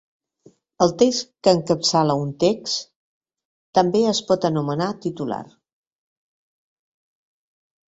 El text que encapçala un text també es pot anomenar titular.